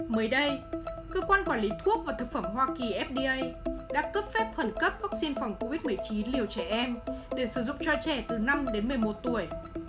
mới đây cơ quan quản lý thuốc và thực phẩm hoa kỳ fda đã cấp phép khẩn cấp vaccine phòng covid một mươi chín liều trẻ em để sử dụng cho trẻ từ năm đến một mươi một tuổi